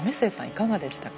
いかがでしたか？